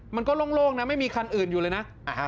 มันก็โล่งนะไม่มีคันอื่นอยู่เลยนะ